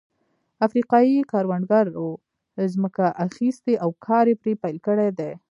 افریقايي کروندګرو ځمکه اخیستې او کار یې پرې پیل کړی دی.